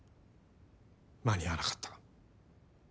間に合わなかった。